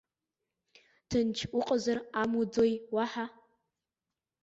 Ҭынч уҟазар амуӡои уаҳа?